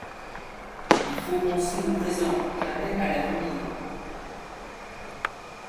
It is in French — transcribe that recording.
Il faut penser au présent, jamais à l'avenir.